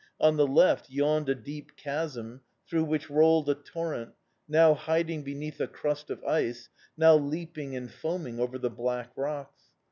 On the left yawned a deep chasm, through which rolled a torrent, now hiding beneath a crust of ice, now leaping and foaming over the black rocks.